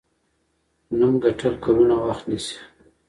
نوم ګټل کلونه وخت نیسي.